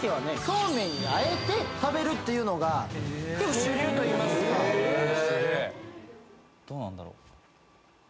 そうめんにあえて食べるっていうのが結構主流といいますかどうなんだろう